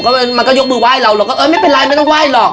มันก็ยกมือไห้เราเราก็เออไม่เป็นไรไม่ต้องไหว้หรอก